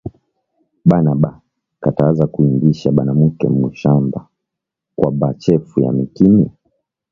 Bana ba kataza ku ingisha banamuke mu mashamba kwa ba chefu ya mikini